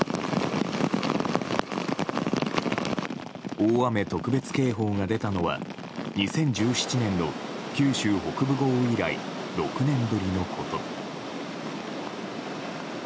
大雨特別警報が出たのは２０１７年の九州北部豪雨以来６年ぶりのこと。